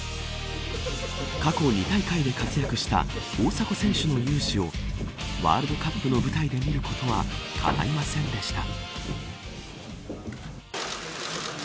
過去２大会で活躍した大迫選手の雄姿をワールドカップの舞台で見ることはかないませんでした。